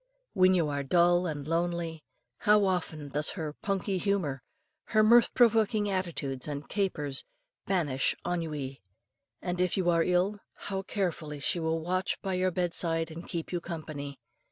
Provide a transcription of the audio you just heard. When you are dull and lonely, how often does her "punky humour," her mirth provoking attitudes and capers banish ennui. And if you are ill, how carefully she will watch by your bedside and keep you company.